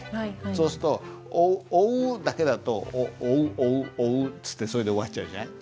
そうすると「追う」だけだと「追う追う追う」っつってそれで終わっちゃうじゃない。